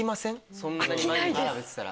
そんなに毎日食べてたら。